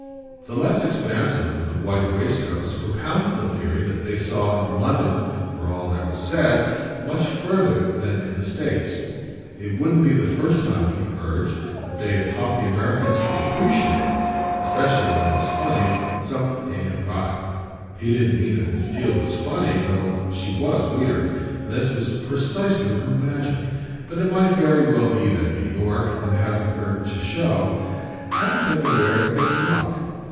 The less expansive of the white waistcoats propounded the theory that they saw in London for all that was said much further than in the States: it wouldn't be the first time, he urged, that they had taught the Americans to appreciate (especially when it was funny) some native product. He didn't mean that Miss Theale was funny though she was weird, and this was precisely her magic; but it might very well be that New York, in having her to show, hadn't been aware of its luck.